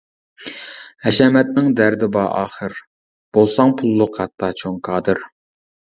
ھەشەمەتنىڭ دەردى بار ئاخىر، بولساڭ پۇللۇق ھەتتا چوڭ كادىر.